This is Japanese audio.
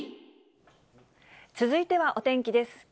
続いてはお天気です。